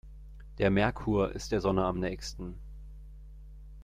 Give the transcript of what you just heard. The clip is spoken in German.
Der Merkur ist der Sonne am nähesten.